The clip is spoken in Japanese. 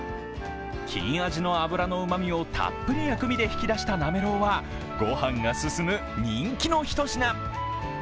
金アジの脂のうまみをたっぷり薬味で引き出したなめろうは御飯が進む人気のひと品。